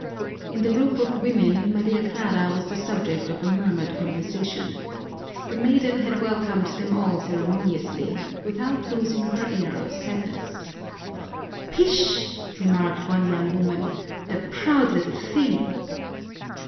In the group of women Maria Clara was the subject of a murmured conversation. The maiden had welcomed them all ceremoniously, without losing her air of sadness. "Pish!" remarked one young woman. "The proud little thing!"